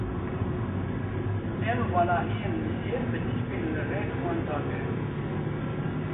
Em valahiyên li jêr bi tîpên li rex wan dagirin.